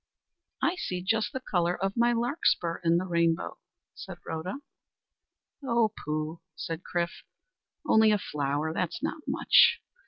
"I see just the colour of my larkspur in the rainbow," said Rhoda. "O pooh!" said Chrif, "only a flower! That's not much.